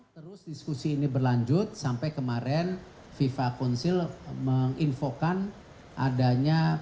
terus diskusi ini berlanjut sampai kemarin fifa council menginfokan adanya